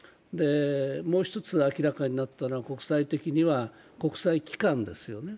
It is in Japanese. もう一つ、明らかになったのは国際的には国際機関ですよね。